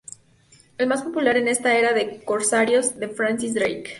El más popular en esta era de corsarios fue Francis Drake.